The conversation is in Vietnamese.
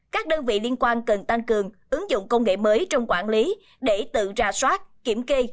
các đơn vị liên quan cần tăng cường ứng dụng công nghệ mới trong quản lý để tự ra soát kiểm kê